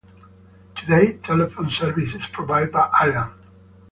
Today, telephone service is provided by Aliant.